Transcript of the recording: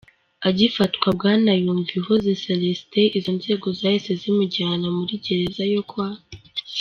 Agifatwa, Bwana Yumvihoze Celestin izo nzego zahise zimujyana muri Gereza yo kwa